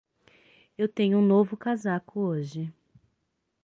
Eu tenho um novo casaco hoje.